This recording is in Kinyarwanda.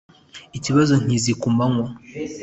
Ikibazo nkizi ku manywa